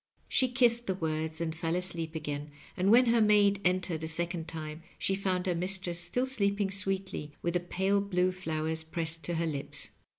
She kissed the words and fell asleep again, and when her maid entered a second time she found her mistress still sleeping sweetly, with the pale blue flowers pressed to her lips.